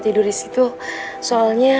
tidur di situ soalnya